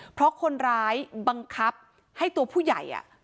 เพราะคนร้ายบังคับให้ตัวผู้ใหญ่